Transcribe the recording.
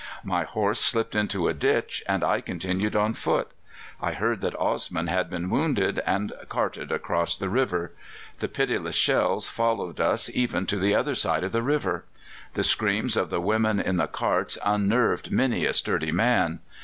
My horse slipped into a ditch, and I continued on foot. I heard that Osman had been wounded and carted across the river; the pitiless shells followed us even to the other side of the river. The screams of the women in the carts unnerved many a sturdy man.